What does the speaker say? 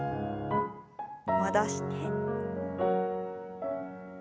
戻して。